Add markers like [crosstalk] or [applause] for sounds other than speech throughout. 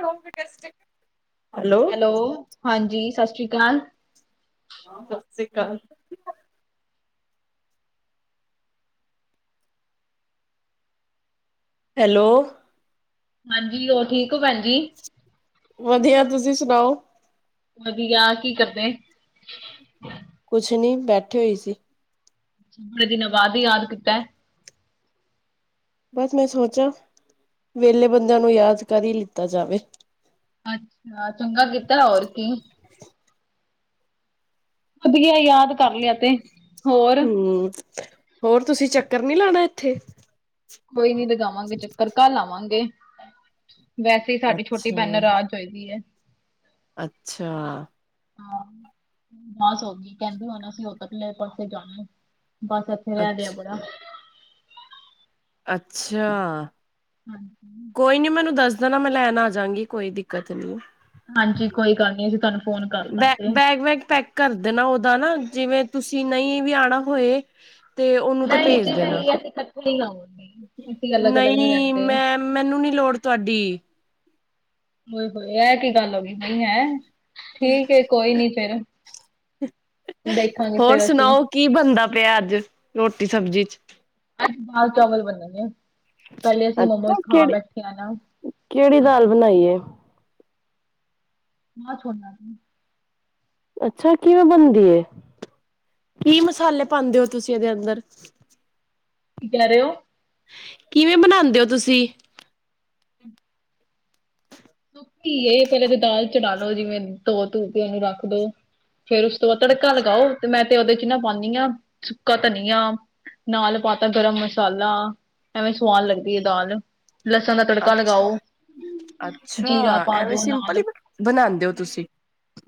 ਰੋਕ ਗੈਸਟਕ ਹੈਲੋ, ਹਾਂਜੀ ਸਸ ਰੀ ਕਾਲ। ਹਾਂ ਸਸ ਰੀ ਕਾਲ। ਹੈਲੋ। ਹਾਂਜੀ, ਹੋਰ ਠੀਕ ਓਂ ਭੈਨ ਜੀ। ਵਦੀਆ ਤੁਸੀਂ ਸਨਾਓ। ਵਦੀਆ ਕੀ ਕਰਦੇ ਕੁਛ ਨੀ ਬੈਠੇ ਹੋਈ ਸੀ। ਬੜੇ ਦਿਨਾਂ ਬਾਦ ਯਾਦ ਕੀਤੈ। ਬਸ ਮੈਂ ਸੋਚਾ, ਵੇਲੇ ਬੰਦੇਆਂ ਨੂੰ ਯਾਦ ਕਰ ਈ ਲਿੱਤਾ ਜਾਵੇ। ਅੱਛਾ, ਚੰਗਾ ਕੀਤਾ ਹੋਰ ਕੀ। ਫਦੀਆ ਯਾਦ ਕਰ ਲਿਆ ਤੇ, ਹੋਰ ਹੂੰ, ਹੋਰ ਤੁਸੀਂ ਚੱਕਰ ਨੀ ਲਾਨਾ ਏਥੇ। ਕੋਈ ਨੀ ਲਗਾਵਾਂਗੇ ਚੱਕਰ ਕੱਲ ਆਵਾਂਗੇ, ਵੈਸੇ ਈ ਸਾਡੀ ਛੋਟੀ ਅੱਛਾ, ਭੈਨ ਨਰਾਜ ਚਈਦੀ ਐ। ਅੱਛਾ। ਬਸ ਹੋ ਗਈ ਕੈਂਦੇ ਹੁਨ ਅਸੀਂ ਓਦਰਲੇ ਪਾਸੇ ਜਾਨੈ ਬਸ ਏਥੇ ਰੈ ਲਿਆ ਅੱਛ ਬੜਾ ਅੱਛੇਆ। ਹਾਂਜੀ। ਕੋਈ ਨੀ ਮੈਨੂੰ ਦੱਸ ਦੇਨਾ ਮੈਂ ਲੈਨ ਆਜਾਾਂਗੀ ਕੋਈ ਦਿੱਕਤ ਨੀ। ਹਾਂਜੀ ਕੋਈ ਗੱਲ ਨੀ ਅਸੀਂ ਤਾਨੂੰ ਬੈ ਬੈਗ ਵੈਗ ਪੈਕ ਕਰ ਦੇਨਾ ਓਦਾ ਨਾ ਜਿਵੇਂ ਤੁਸੀਂ ਨਈਂ ਵੀ ਆਨਾ ਹੋਏ ਤੇ ਓਨੂੰ ਤੇ ਨਹੀਂ ਜੀ ਭੇਜ ਦੇਨਾ, ਨਹੀਂ ਅਸੀਂ ਇਕੱਠੇ ਹੀ ਆਵਾਂਗੇ ਅਸੀਂ ਅਲੱਗ ਅਲੱਗ ਨਹੀਂ ਨਈੰ ਰਹਿੰਦੇ ਮੈਂ ਮੈਨੂੰ ਨੀ ਲੋੜ ਤੁਆਡੀ। ਹੋਏ -ਹੋਏ ਐ ਕੀ ਗੱਲ ਹੋ ਗਈ ਹੋਈ ਐ ਠੀਕ ਐ ਕੋਈ ਨੀ ਫੇਰ। ਦੇਖਾਂਗੇ ਫਿਰ। ਸਨਾਓ ਕੀ ਬਨਦਾ ਪਿਆ ਅੱਜ ਰੋਟੀ ਸਬਜੀ ਚ। ਅੱਜ ਦਾਲ ਚਾਵਲ ਬਨਦੇ ਪਏਂ ਨੇ, ਪੈਲੇ ਅਸੀ ਮੋਮੋਜ਼ ਖਾ ਬੈਠੇ ਆਂ ਨਾ। ਕੇੜੀ ਦਾਲ ਬਨਾਈ ਏ। ਮਾਂਅ ਛੋਲਿਆਂ ਦੀ। ਅੱਛਾ ਕਿਵੇਂ ਬਨਦੀ ਏ ਕੀ ਮਸਾਲੇ ਪਾਂਦੇ ਓ ਤੁਸੀ ਏਦੇ ਅੰਦਰ ਕੀ ਕੈ ਰਏ ਓਂ? ਕਿਵੇਂ ਬਨਾਂਦੇ ਓਂ ਤੁਸੀ? ਸੁੱਕੀ ਏ, ਪੈਲੇ ਤੇ ਦਾਲ ਚੜਾ ਲਓ ਜਿਵੇਂ ਧੋ ਧੂ ਕੇ ਰੱਖ ਦੋ, ਫੇਰ ਉਸ ਤੇ ਓ ਤੜਕਾ ਲਗਾਓ ਤੇ ਮੈਂ ਤੇ ਓਦੇ ਚ ਨਾ ਪਾਂਨੀਂ ਆਂ ਸੁੱਕਾ ਧਨੀਆ ਨਾਲ ਪਾਤਾ ਗਰਮ ਮਸਾਲਾ, ਐਵੇਂ ਸੁਆਦ ਲੱਗਦੀ ਐ ਦਾਲ। ਲਸਣ ਦਾ ਤੜਕਾ ਅੱਛਾ ਲਗਾਓ। ਅੱਛਾ! ਜੀਰਾ ਪਾ ਐਵੇਂ ਦੋ ਸਿੰਪਲ ਨਾਲ ਹੀ ਬਨ, ਬਨਾਉਂਦੇ ਹੋ ਤੁਸੀ?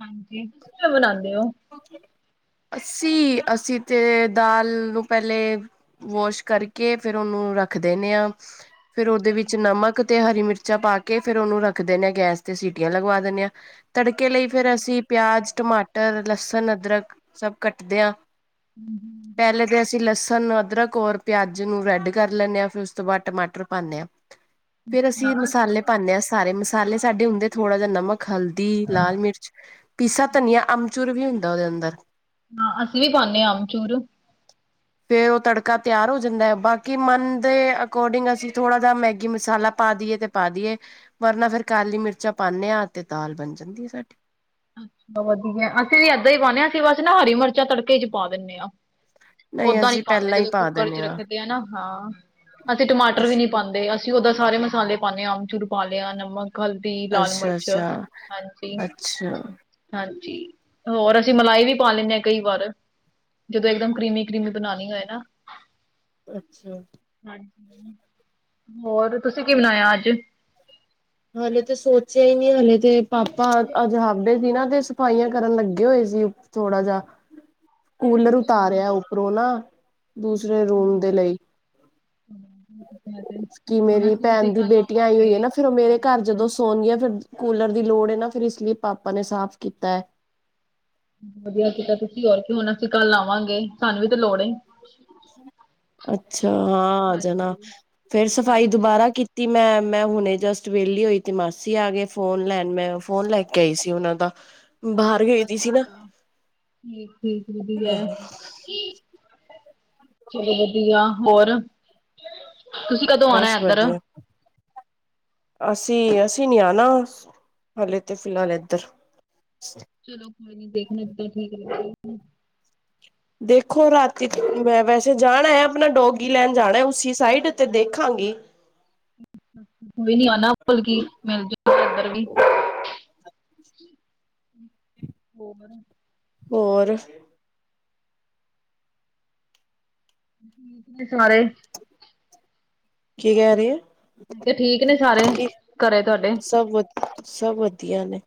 ਹਾਂਜੀ! ਤੁਸੀ ਕਿਵੇਂ ਬਨਾਉਂਦੇ ਹੋ? [inaudible] ਅੱਸੀ-ਅੱਸੀ ਤੇ ਦਾਲ ਨੂੰ ਪਹਿਲੇ ਵੋਸ਼ ਕਰਕੇ ਫਿਰ ਉਹਨੂੰ ਰੱਖ ਦਿਨੇਂ ਆ। ਫੇਰ ਉਹਦੇ ਅੱਛਾ ਹਮ, ਵਿੱਚ ਨਮਕ ਤੇ ਹਰੀ ਮਿਰਚਾਂ ਪਾ ਕੇ, ਫੇਰ ਉਹਨੂੰ ਰੱਖ ਦਿਨੇ ਹਾਂ ਗੈਸ ਤੇ। ਸੀਟੀਆਂ ਲਗਵਾ ਦਿੰਨੇਂਆਂ। ਤੜਕੇ ਲਈ ਫੇਰ ਅਸੀ ਪਿਆਜ, ਟਮਾਟਰ, ਲੱਸਣ, ਅਦਰਕ, ਸਭ ਕੱਟਦੇ ਹਾਂ। ਅਹਮ, ਹਮ! ਪਹਿਲੇ ਤੇ ਅਸੀ ਲੱਸਣ, ਅਦਰਕ ਔਰ ਪਿਆਜ ਨੂੰ ਰੈੱਡ ਕਰ ਲੈਂਨੇਂ ਹਾਂ। ਫਿਰ ਉਸ ਤੋ ਬਾਅਦ ਟਮਾਟਰ ਪਾਉਂਨੇਂ ਹਾਂ। ਫੇਰ ਅਸੀ ਅੱਛਾ ਮਸਾਲੇ ਅਸੀਂ ਪਾਉਨੇਂ ਹਾਂ। ਸਾਰੇ ਮਸਾਲੇ ਸਾਡੇ ਹੁੰਦੇ, ਥੋੜਾ ਜਿਹਾ ਨਮਕ। ਇਕ ਹਲਦੀ, ਲਾਲ ਮਿਰਚ, ਪੀਸਾ ਧਨੀਆ, ਅਮਚੁਰ ਵੀ ਹੁੰਦਾ ਉਹਦੇ ਅੰਦਰ। ਹਾਂ! ਅਸੀ ਵੀ ਪਾਉਂਨੇਂ ਹਾਂ ਅਮਚੂਰ। [inaudible] ਫੇਰ ਉਹ ਤੜਕਾ ਤਿਆਰ ਹੋ ਜਾਂਦਾ ਹੈ। ਬਾਕੀ ਮੰਨ ਦੇ ਅਕੋਰਡਿੰਗ ਅਸੀ ਥੋੜਾ ਜਿਹਾ ਮੈਗੀ ਮਸਾਲਾ ਪਾ ਦਈਏ। ਤੇ ਪਾ ਦਈਏ, ਵਰਨਾ ਫਿਰ ਕਾਲੀ ਮਿਰਚਾਂ ਪਾਉਂਨੇਂ ਹਾਂ। ਤੇ ਦਾਲ ਬਨ ਜਾਂਦੀ ਹੈ ਸਾਡੀ। ਅੱਛਾ! ਵਧੀਆ, ਅਸੀ ਵੀ ਇਹਦਾਂ ਹੀ ਕਰਨੇ ਹਾਂ। ਅਸੀ ਬਸ ਨਾ, ਹਰੀ ਮਿਰਚਾਂ ਤੜਕੇ ਚ ਹੀ ਪਾ ਦਿੰਨੇਂ ਹਾਂ। ਨਹੀਂ ਓਹਦਾਂ ਈ ਅਸੀਂ ਪਾਉਂਦੇ ਪਹਿਲਾਂ ਹੀ ਜਦੋ ਪਾ ਕੁੂੱਕਰ ਦਿੰਦੇ ਚ ਹਾਂ ਰੱਖਦੇ ਏਂ ਨਾ। ਹਾਂ! ਅਸੀ ਟਿਮਾਟਰ ਵੀ ਨੀ ਅੱਛਾ ਪਾਉਂਦੇ, ਅਸੀ ਉਹਦੋ ਸਾਰੇ ਮਸਾਲੇ ਪਾਉਂਨੇਂ ਹਾਂ। ਆਮਚੂਰ ਪਾ ਲਿਆ, ਨਮਕ, ਹਲਦੀ। ਹਲਦੀ, ਲਾਲ ਅੱਛਾ ਮਿਰਚ, ਹਾਂਜੀ। ਅੱਛਾ! ਹਾਂਜੀ! ਹੋਰ ਅਸੀ ਮਲਾਈ ਵੀ ਪਾ ਲੈਂਨੇਂ ਆ, ਕਈ ਵਾਰ। ਜਦੋ ਇੱਕਦਮ ਕਰੀਮੀ-ਕਰੀਮੀ ਬਨਾਉਨੀ ਹੋਏ ਨਾ। ਅੱਛਾ! ਹਾਂਜੀ! ਹੋਰ ਤੁਸੀ ਕੀ ਬਣਾਇਆ ਅੱਜ? ਹਲੇ ਤੇ ਸੋਚਿਆ ਹੀ ਨਹੀਂ। ਹਲੇ ਤੇ ਪਾਪਾ, ਅੱਜ ਹਾਫ ਡੇ ਸੀ ਨਾ। ਤੇ ਸਫਾਈਆਂ ਕਰਨ ਲੱਗੇ ਹੋਏ ਸੀ। ਥੋੜਾ ਜਿਹਾ ਕੂਲਰ ਹਾਂ, ਉਤਾਰਿਆ, ਉੱਪਰੋਂ ਨਾ। ਦੂਸਰੇ ਰੂਮ ਦੇ ਲਈ। ਕਿ [inaudible] ਹੁਨ ਮੇਰੀ ਅਸੀ ਵੀ ਤੇ ਕਲ ਆਵਾਂਗੇ। ਹਾਂਜੀ! ਜਦੋ ਸੋਂਹਨੀਂਆ, ਫਿਰ ਕੂਲਰ ਦੀ ਲੋੜ ਹੈ ਨਾ। ਫਿਰ ਇਸ ਲਈ ਪਾਪਾ ਨੇ ਸਾਫ਼ ਕੀਤਾ ਹੈ। ਵਧੀਆ ਕੀਤਾ ਤੁਸੀ। ਹੋਰ ਕੀ! ਹੁਣ ਅਸੀ ਕੱਲ ਆਵਾਂਗੇ। ਸਾਨੂੰ ਵੀ ਤੇ ਲੋੜ ਏ। ਅੱਛਾ! ਹਾਂ ਆ ਜਾਨਾ, ਹਾਂਜੀ ਫੇਰ ਸਫ਼ਾਈ ਹਾਂਜੀ ਦੁਬਾਰਾ ਕੀਤੀ ਤੇ ਮੈਂ, ਮੈਂ ਹੁਣੇ ਜਸਟ ਵਿਹਲੀ ਹੋਈ। ਤੇ ਮਾਸੀ ਆ ਗਏ ਫੋਨ ਲੈਨ। ਮੈਂ ਫੋਨ ਲੈ ਕੇ ਆਈ ਸੀ ਉਹਨਾਂ ਦਾ। [inaudible] ਗਈ ਦੀ ਸੀ ਨਾ ਅੱਛਾ! ਠੀਕ-ਠੀਕ ਵਧੀਆ ਹਾਂ ਏ। [inaudible] ਚਲੋ ਵਧੀਆ। ਹੋਰ! ਤੁਸੀਂ ਕਦੋਂ ਬਸ ਆਣਾ ਏਧਰ? ਵਧੀਆ। ਅਸੀ, ਅਸੀ ਨੀ ਆਉਨਾਂ ਹਲੇ ਤੇ। ਫਿਲਹਾਲ, ਇਧਰ। ਚਲੋ ਕੋਈ ਨੀ। ਦੇਖਨੇਂ ਹਾਂ, ਜਿੱਦਾਂ ਠੀਕ ਲੱਗੇ ਦੇਖੋ, ਰਾਤੀ ਮੈਂ ਵੈਸੇ ਜਾਣਾ ਹੈ। ਆਪਣਾ ਡੋਗੀ ਲੈਣ ਜਾਣਾ ਏ, ਉਸੀ ਸਾਈਡ। ਤੇ ਦੇਖਾਂਗੀ। ਕੋਈ ਨੀ ਆਨਾ ਇਧਰ ਵੀ, ਕੇ ਮਿਲ ਜੇ ਓ ਇੱਧਰ ਵੀ। ਹੋਰ ਹੋਰ? ਠੀਕ ਨੇ ਸਾਰੇ। ਕੀ ਕਹਿ ਰਹੀ ਐ। ਤੇ ਠੀਕ ਨੇ ਸਾਰੇ ਘਰੇ ਤੁਹਾਡੇ? ਸਭ ਵ ਸਭ ਵਧੀਆ ਨੇ।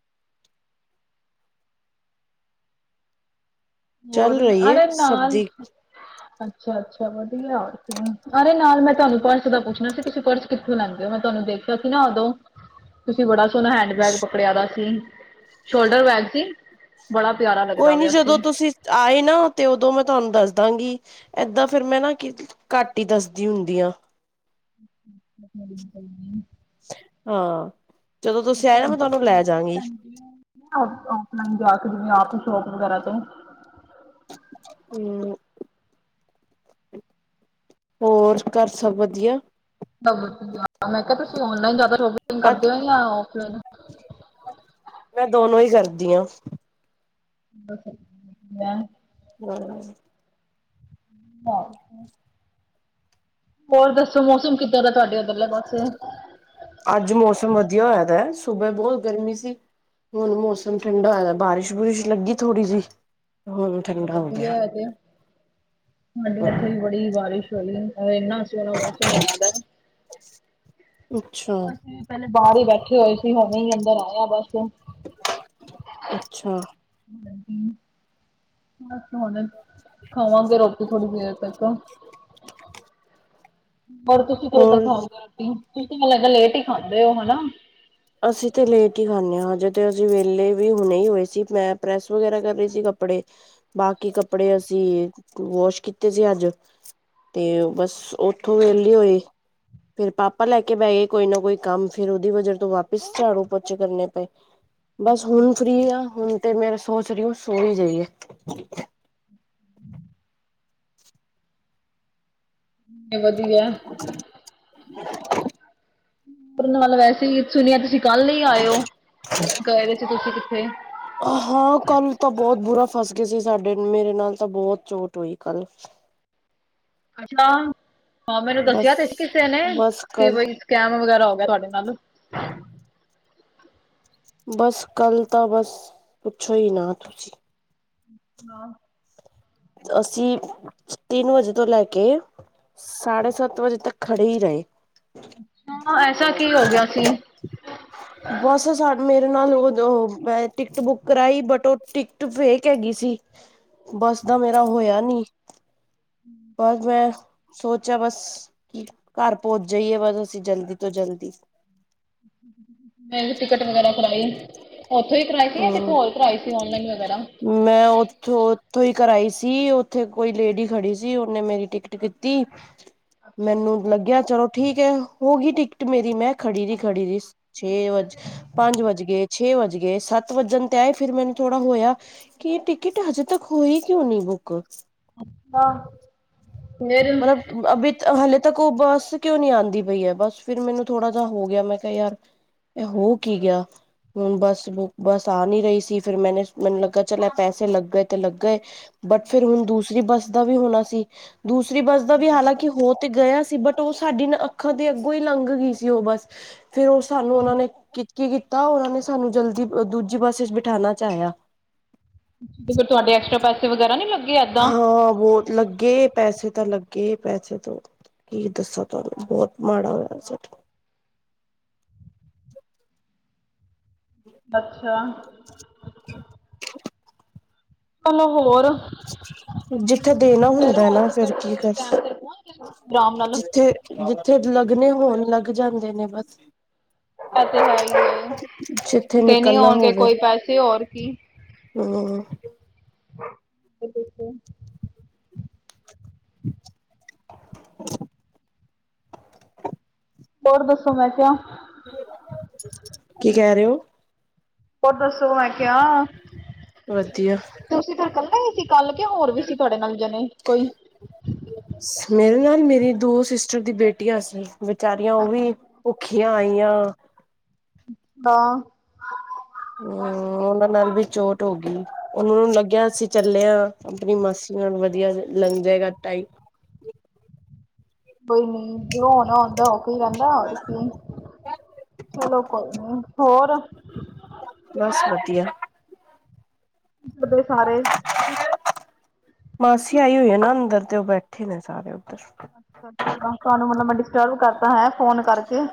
ਚੱਲ ਹੋਰ ਰਹੀਏ ਸਭ ਦੀ। ਅੱਛਾ- ਅੱਛਾ ਵਧੀਆ ਅਰੇ ਨਾਲ ਮੈਂ ਤੁਹਾਨੂੰ ਪਰਸ ਦਾ ਪੁੱਛਣਾ ਸੀ ਤੁਸੀਂ ਪਰਸ ਕਿੱਥੋਂ ਲੰਘਦੇ ਹੋ, ਮੈਂ ਤੁਹਾਨੂੰ ਦੇਖਿਆ ਸੀ ਨਾ ਉਦੋਂ ਤੁਸੀਂ ਬੜਾ ਸੋਹਣਾ ਹੈਂਡ ਬੈਗ ਪਕੜਿਆ ਵੇ ਸੀ, ਸ਼ੋਲਡਰ ਬੈਗ ਸੀ। ਬੜਾ ਪਿਆਰਾ ਲੱਗਦਾ ਕੋਈ ਨੀ ਪਿਆ ਸੀ। ਜਦੋਂ ਤੁਸੀਂ ਆਏ ਨਾ, ਤੇ ਉਦੋਂ ਮੈਂ ਤੁਹਾਨੂੰ ਦੱਸ ਦਾਂਗੀ, ਏਦਾਂ ਫਿਰ ਮੈਂ ਨਾ ਕੀ ਘੱਟ ਹੀ ਦੱਸਦੀ ਹੁੰਦੀ ਆ। [inaudible] ਹਾਂ, ਜਦੋਂ ਤੁਸੀਂ ਆਏ ਨਾ ਮੈਂ ਤੁਹਾਨੂੰ ਲੈ ਜਾਗੀ। ਫਲਾਈਨ ਜਾ ਕੇ ਜਿਵੇਂ ਆਪ ਸ਼ੋਪ ਵਗੈਰਾ ਤੋਂ ਹੂੰ। ਹੋਰ ਘਰ ਸਭ ਵਧੀਆ? ਮੈਂ ਕਿਹਾ ਤੁਸੀਂ ਔਨਲਾਈਨ ਜ਼ਿਆਦਾ ਸ਼ੋਪਿੰਗ ਅੱਜ ਕਰਦੇ ਹੋ ਜਾਂ ਓਫਲਾਈਨ? ਮੈਂ ਦੋਨੋ ਹੀ ਕਰਦੀ ਆ। [unintelligible] [inaudible] ਨਾ ਹੋਰ ਦੱਸੋ ਮੌਸਮ ਕਿੱਦਾਂ ਦਾ ਤੁਹਾਡੇ ਉੱਧਰਲੇ ਪਾਸੇ? ਅੱਜ ਮੌਸਮ ਵਧੀਆ ਹੋਇਆ ਵੇ ਦਾ ਸੂਬੇ ਬਹੁਤ ਗਰਮੀ ਸੀ। ਹੁਣ ਮੌਸਮ ਠੰਡਾ ਹੋਇ ਬਾਰਿਸ਼ ਬੁਰਿਸ਼ ਲੱਗੀ ਥੋੜੀ ਜੀ। ਵਧੀਆ ਜੇ, ਸਾਡੀ ਇੱਥੇ ਹਮ ਵੀ ਬੜੀ ਬਾਰਿਸ਼ ਹੋਈ, ਉਹ ਇਨਾ ਸੋਣਾ ਮੌਸਮ ਬਣਾਦਾ ਅੱਛਾ ਅਸੀਂ ਪਹਿਲੇ ਹੀ ਬਾਹਰ ਬੈਠੇ ਹੋਏ ਸੀ, ਹੁਣੇ ਹੀ ਅੰਦਰ ਆਇਆ ਬਸ। ਅੱਛਾ। ਬਸ ਹੁਣ, ਖਾਵਾਂਗੇ ਰੋਟੀ ਥੋੜੀ ਦੇਰ ਤੱਕ। ਹੋਰ ਤੁਸੀਂ ਕਦੋਂ ਤੱਕ ਹੋਰ ਖਾਓਗੇ ਰੋਟੀ, ਤੁਸੀਂ ਤਾਂ ਮੈਨੂੰ ਲੱਗਦਾ ਲੇਟ ਹੀ ਖਾਂਦੇ ਹੋ ਹਨਾ? ਅਸੀਂ ਤੇ ਲੇਟ ਹੀ ਖਾਂਨੇ ਆ, ਹਜੇ ਤੇ ਅਸੀਂ ਵਹਲੇ ਵੀ ਹੁਣੇ ਹੀ ਹੋਏ ਸੀ, ਮੈਂ ਪ੍ਰੈਸ ਵਗੈਰਾ ਕਰ ਰਹੀ ਸੀ ਕੱਪੜੇ। ਬਾਕੀ ਕੱਪੜੇ ਅਸੀਂ ਵਾਸ਼ ਕੀਤੇ ਸੀ ਅੱਜ ਤੇ ਬਸ ਉੱਥੋਂ ਵਿਹਲੇ ਹੋਏ ਫੇਰ ਪਾਪਾ ਲੈ ਕੇ ਬਹਿ ਗਏ ਕੋਈ ਨਾ ਕੋਈ ਕੰਮ, ਫੇਰ ਉਹਦੀ ਵਜਾ ਤੋਂ ਵਾਪ ਪਿਸ ਝਾੜੂ ਪੋਚੇ ਕਰਨੇ ਪਏ, ਬਸ ਹੁਣ ਫਰੀ ਆ ਹੁਣ ਤੇ ਮੇਰੇ ਸੋਚ ਰਹੀ ਹੂ ਸੋ ਹੀ ਜਾਈਏ। ਵਧੀਆ। [unintelligible] ਉਨ ਵ ਵੈਸੇ ਹੀ ਸੁਣਿਆ ਤੁਸੀਂ ਕੱਲ ਲਈ ਆਏ ਹੋ। ਗਏ ਸੀ ਤੁਸੀਂ ਕਿੱਥੇ? ਹਾਂ, ਕੱਲ ਤਾਂ ਬਹੁਤ ਬੁਰਾ ਫਸ ਗਏ ਸੀ, ਸਾਡੇ ਮੇਰੇ ਨਾਲ ਤਾਂ ਬਹੁਤ ਚੋਟ ਹੋਈ ਕੱਲ। ਅੱਛਾ, ਹਾਂ ਮੈਨੂੰ ਦੱਸਿਆ ਬਸ ਤੇ ਕਿਸੇ ਨੇ, ਬਸ ਕਿ ਕੱਲ ਬਈ ਸਕੈਮ ਵਗੈਰਾ ਹੋ ਗਿਆ ਤੁਹਾਡੇ ਨਾਲ। ਬਸ ਕੱਲ ਤਾਂ ਬਸ ਪੁੱਛੋ ਹੀ ਨਾ ਤੁਸੀਂ। ਹਾਂ। ਅਸੀਂ ਤਿੰਨ ਵਜੇ ਤੋਂ ਲੈ ਕੇ ਸਾਢੇ ਸੱਤ ਵਜੇ ਤੱਕ ਖੜੇ ਹੀ ਰਹੇ। ਅੱਛਾ, ਐਸਾ ਕੀ ਹੋ ਗਿਆ ਸੀ? ਬਸ ਸਾ ਮੇਰੇ ਨਾਲ ਉਹ ਉਹੋ ਟਿਕਟ ਬੁੱਕ ਕਰਾਈ, ਬਟ ਉਹ ਟਿ ਕਟ ਫੇਕ ਹੈਗੀ ਸੀ। ਬਸ ਦਾ ਮੇਰਾ ਹੋਇਆ ਨੀ ਬਸ ਮੈਂ ਸੋਚੇਆ ਬਸ ਕੇ ਘਰ ਪਹੁੰਚ ਜਾਈਏ ਬਸ ਅਸੀਂ ਜਲਦੀ ਤੋਂ ਜਲਦੀ। ਮੈ ਵੀ ਟਿਕਟ ਵਗੈਰਾ ਕਰਾਈ ਓਥੋਂ ਈ ਕਰਾਈ ਸੀ ਤੇ ਹੂੰ। ਹੋਰ ਕਰਾਈ ਸੀ ਔਨਲਾਈਨ ਵਗੈਰਾ। [inaudible] ਮੈਂ ਓਥੋਂ-ਓਥੋਂ ਈ ਕਰਾਈ ਸੀ ਓਥੇ ਕੋਈ ਲੇਡੀ ਖੜੀ ਸੀ ਓਨੇ ਮੇਰੀ ਟਿਕ ਟ ਕੀਤੀ, ਅੱਛਾ ਮੈਨੂੰ ਅੱਛਾ ਲੱਗੇਆ ਚਲੋ ਠੀਕ ਐ ਹੋ ਗਈ ਟਿਕ ਟਿਕਟ ਮੇਰੀ ਮੈਂ ਖੜੀ ਦੀ ਖੜੀ ਰੀ ਸੀ। ਛੇ ਵੱਜ ਪੰਜ ਵੱਜਗੇ, ਛੇ ਵੱਜਗੇ, ਸੱਤ ਵੱਜਨ ਤੇ ਆਏ ਫਿਰ ਮੈਨੂੰ ਥੋੜਾ ਹੋਏਆ ਕੀ ਟਿਕਟ ਹਜੇ ਤੱਕ ਹੋਈ ਕਿਓਂ ਨੀ ਬੁੱਕ। ਅੱਛਾ। ਮਤਲਬ ਅਬੀ ਹਲੇ ਤੱਕ ਓ ਬੱਸ ਕਿਓਂ ਨੀ ਆਂਦੀ ਪਈ ਐ ਬੱਸ ਫਿਰ ਮੈਨੂੰ ਥੋੜਾ ਜਾ ਹੋ ਗੇਆ ਮੈਂ ਕਿਆ ਯਾਰ ਏ ਹੋ ਕੀ ਗੇਆ। ਹੁਨ ਬਸ-ਬਸ ਆ ਨੀ ਰਈ ਸੀ ਫਿਰ ਮੈਨੇ ਮੈਨੂੰ ਲੱਗਾ ਚੱਲ ਪੈਸੇ ਲੱਗ ਗਏ ਤੇ ਲੱਗ ਗਏ। ਬਟ ਫਿਰ ਹੁਨ ਦੂਸਰੀ ਬੱਸ ਦਾ ਵੀ ਹੋਨਾ ਸੀ ਦੂਸਰੀ ਬੱਸ ਦਾ ਵੀ ਹਾਲਾਂਕਿ ਹੋ ਤੇ ਗੇਆ ਸੀ ਬਟ ਓ ਸਾਡੀ ਨਾ ਅੱਖਾਂ ਤੇ ਅੱਗੋਂ ਈ ਲੰਘ ਗਈ ਸੀ ਓ ਬਸ ਫੇਰ ਓ ਸਾਨੂੰ ਓਨਾਂ ਨੇ ਕੀ ਕੀਤਾ ਓਨਾਂ ਨੇ ਸਾਨੂੰ ਜਲਦੀ ਦੂਜੀ ਬੱਸ ਚ ਬਿਠਾਨਾ ਚਾਏਆ। ਤੇ ਫਿਰ ਤੁਆਡੇ ਐਕਸਟਰਾ ਪੈਸੇ ਵਗੈਰਾ ਨੀ ਲੱਗੇ ਐਦਾਂ। ਹਾਂ ਬਹੁਤ ਲੱਗੇ ਪੈਸੇ ਤਾਂ ਲੱਗੇ ਪੈਸੇ ਤੋ ਕੀ ਦੱਸਾਂ ਤੁਆਨੂੰ ਬੋਤ ਮਾੜਾ ਹੋਏਆ ਸਾਡੇ ਨਾਲ। ਬੱਛੇਆ। [unintelligible] ਕੰਮੋ ਹੋਰ ਜਿੱਥੇ ਦੇਨਾ ਫਿਰ ਹੁੰਦਾ ਨਾ ਹੁਣ ਤੇ ਫੇਰ ਫਿਰ ਕੀ ਦੱਸ, ਟਾਈਮ ਸਿਰ ਪਹੁੰਚ ਗਏ ਆਰਾਮ ਨਾਲ ਜਿੱਥੇ ਜਿੱਥੇ ਲੱਗਨੇ ਹੋਨ ਲੱਗ ਜਾਂਦੇ ਨੇ ਬਸ। ਪੈਸੇ ਹੈ ਹੀ ਹੈ ਜਿੱਥੇ ਦੇਣੇ ਨਿਕਲਨਾ ਹੋਣਗੇ ਹੋਵੇ ਕੋਈ ਪੈਸੇ ਹੋਰ ਕੀ ਹੂੰ [inaudible] [unintelligible] ਹੋਰ ਦੱਸੋ ਮੈਂ ਕਿਆ ਕੀ ਕੈ ਰੇ ਓਂ? ਹੋਰ ਦੱਸੋ ਮੈਂ ਕਿਆ ਵਦੀਆ। ਤਸੀਂ ਫਿਰ ਕੱਲੇ ਈ ਸੀ ਕੱਲ ਕੇ ਹੋਰ ਵੀ ਸੀ ਤੁਆਡੇ ਨਾਲ ਜਨੇ ਕੋਈ। ਸੀ ਮੇਰੇ ਨਾਲ ਮੇਰੀ ਦੋ ਸਿਸਟਰ ਦੀਆਂ ਬੇਟੀਆਂ ਸੀ। ਬਚਾਰੀਆਂ ਓਹ ਵੀ ਭੁੱਖੀਆਂ ਆਈਆਂ। ਤਾਂ ਹੂੰ ਓਨਾਂ ਨਾਲ ਵੀ ਚੋਟ ਹੋ ਗੀ। ਓਨਾਂ ਨੂੰ ਲੱਗੇਆ ਅਸੀਂ ਚੱਲੇ ਆਂ ਆਪਨੀ ਮਾਸੀ ਨਾਲ ਵਦੀਆ ਲੰਘ ਜਾਏਗਾ ਟਾਈਮ। ਬਈ ਦੇਓ ਓਦਾਂ ਹੋ ਕੋਈ ਰੈਂਦਾ ਤੁਸੀਂ ਕੀ ਚਲੋ ਕੋਈ ਨੀ ਹੋਰ ਬਸ ਵਦੀਆ‌। ਜਦੋਂ ਸਾਰੇ ਮਾਸੀ ਆਈ ਹੋਈ ਐ ਨਾ ਅੰਦਰ ਤੇ ਓਹ ਬੈਠੇ ਨੇ ਸਾਰੇ ਓਦਰ। ਅੱਛਾ ਬਸ ਤਾਨੂੰ ਮਤਲਬ ਮੈਂ ਡਿਸਟਰਬ ਕਰਤਾ ਹੈਂ ਫੋਨ ਕਰਕੇ।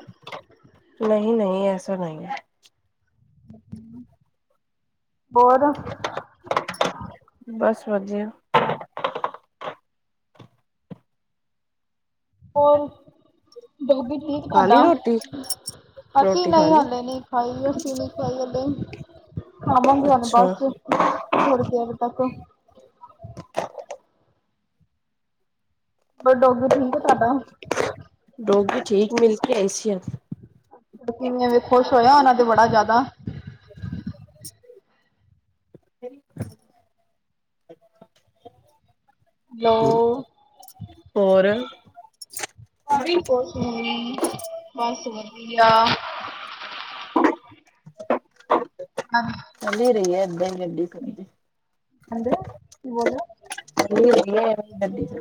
ਨਹੀਂ-ਨਹੀਂ ਐਸਾ ਨਈਂ ਐ। ਹੋਰ? ਬਸ ਵਧੀਆ। ਹੋਰ ਜੋ ਵੀ ਠੀਕ ਖਾ ਤੁਹਾਡਾ। ਲਈ ਰੋਟੀ ਅਸੀਂ ਰੋਟੀ ਖਾ ਨਹੀਂ ਲਈ ਹਾਲੇ ਨਹੀਂ ਖਾਈ ਅਸੀਂ ਨਹੀਂ ਖਵਾਈ ਹਲੇੇ। ਖਾਵਾਂਗੇ ਹੁਣ ਅੱਛਾ ਬਸ ਥੋੜੀ ਦੇਰ ਤੱਕ। ਪਰ ਡੋਗੀ ਠੀਕ ਹੈ ਤੁਹਾਡਾ। ਡੋਗੀ ਠੀਕ ਨਹੀਂ ਐਸੀ ਹ। ਇੰਨੇ ਮੈਂ ਖੁਸ਼ ਹੋਇਆ ਉਹਨਾਂ ਤੇ ਬੜਾ ਜ਼ਿਆਦਾ [unintelligible] ਹੈਲੋ ਹੋਰ ਬਸ ਕੁਛ ਨਹੀਂ ਬਸ ਵਧੀਆ। [unintelligible] ਚੱਲ ਰਹੀ ਇਦਾਂ ਗੱਡੀ ਚੱਲੀ। ਕਹਿੰਦੇ ਕੀ ਬੋਲਿਆ। ਚੱਲ ਰਹੀ ਗੱਡੀ ਤੇ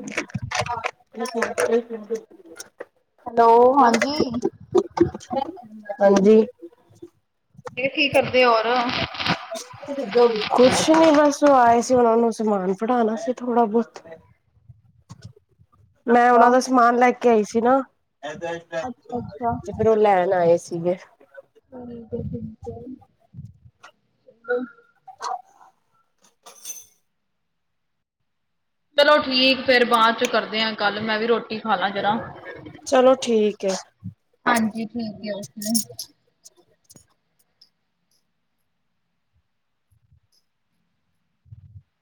[unintelligible] ਹੈਲੋ ਅੱਛਾ ਹਾਂਜੀ। ਮੈਂ ਕਿਹਾ ਹਾਂਜੀ ਇਹ ਕੀ ਕਰਦੇ ਹੋਰ। ਕੁਛ ਨੀ ਬਸ ਉਹ ਆਏ ਸੀ ਉਹਨੂੰ ਸਮਾਨ ਫੜਾਣਾ ਸੀ ਥੋੜਾ ਬਹੁਤ। ਮੈਂ ਉਹਨਾ ਬਸ ਦਾ ਸਮਾਨ ਲੈ ਕੇ ਆਈ ਸੀ ਨਾ। ਅੱਛਾ ਅੱਛਾ ਤੇ ਫਿਰ ਉਹ ਲੈਣ ਆਏ ਸੀਗੇ। ਹੁਣ ਤੇ ਠੀਕ ਹੈ। [unintelligible] ਚਲੋ ਠੀਕ ਫਿਰ ਬਾਅਦ ਚ ਕਰਦੇ ਆ ਕੱਲ ਮੈਂ ਵੀ ਰੋ। ਰੋਟੀ ਖਾਲਾ ਜਰਾ ਚਲੋ ਠੀਕ ਹੈ ਹਾਂਜੀ ਠੀਕ ਆ ਉਸ ਨੇ।